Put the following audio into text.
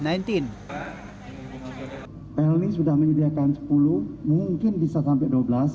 pelni sudah menyediakan sepuluh mungkin bisa sampai dua belas